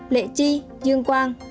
lệ chi dương quang